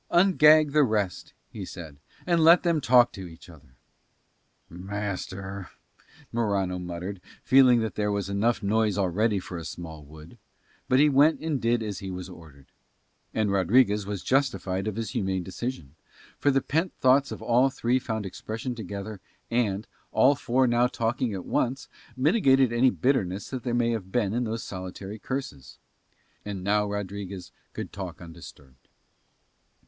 "Ungag the rest," he said, "and let them talk to each other." "Master," Morano muttered, feeling that there was enough noise already for a small wood, but he went and did as he was ordered. And Rodriguez was justified of his humane decision, for the pent thoughts of all three found expression together and, all four now talking at once, mitigated any bitterness there may have been in those solitary curses. And now Rodriguez could talk undisturbed.